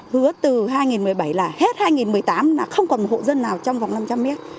hứa từ hai nghìn một mươi bảy là hết hai nghìn một mươi tám là không còn một hộ dân nào trong vòng năm trăm linh mét